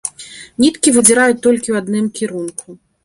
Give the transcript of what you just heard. Ніткі выдзіраюць толькі ў адным кірунку.